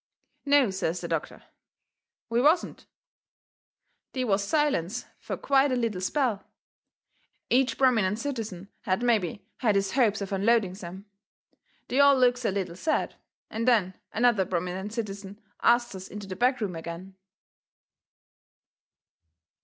"No," says the doctor, "we wasn't." They was silence fur quite a little spell. Each prominent citizen had mebby had his hopes of unloading some. They all looks a little sad, and then another prominent citizen asts us into the back room agin.